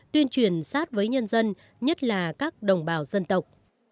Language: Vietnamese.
tuyên truyền sát với nhân dân nhất là các đồng bào dân tộc